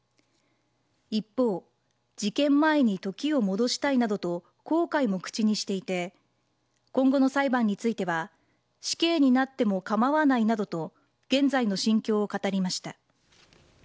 一方事件前に時を戻したいなどと後悔も口にしていて今後の裁判については死刑になっても構わないなどと現在の心境を語りました。